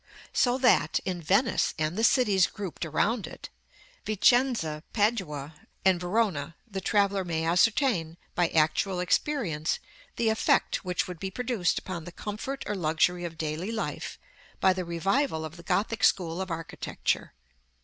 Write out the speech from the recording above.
So that, in Venice, and the cities grouped around it, Vicenza, Padua, and Verona, the traveller may ascertain, by actual experience, the effect which would be produced upon the comfort or luxury of daily life by the revival of the Gothic school of architecture.